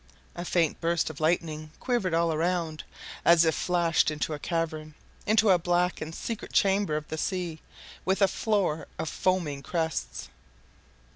A faint burst of lightning quivered all round, as if flashed into a cavern into a black and secret chamber of the sea, with a floor of foaming crests.